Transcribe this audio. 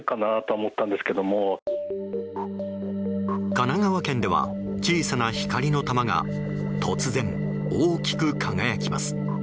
神奈川県では小さな光の球が突然、大きく輝きます。